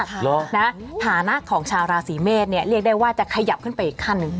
เหรอนะฐานะของชาวราศีเมษเนี่ยเรียกได้ว่าจะขยับขึ้นไปอีกขั้นหนึ่ง